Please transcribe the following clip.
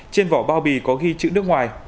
trên vỏ bao bì có ghi chữ nước ngoài